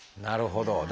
なるほど。